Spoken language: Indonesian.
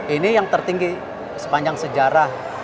ini yang tertinggi sepanjang sejarah